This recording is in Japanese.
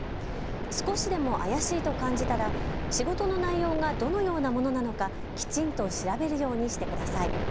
少しでも怪しいと感じたら仕事の内容がどのようなものなのか、きちんと調べるようにしてください。